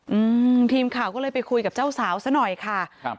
อืมทีมข่าวก็เลยไปคุยกับเจ้าสาวซะหน่อยค่ะครับ